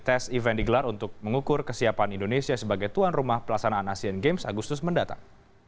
tes event digelar untuk mengukur kesiapan indonesia sebagai tuan rumah pelaksanaan asian games agustus mendatang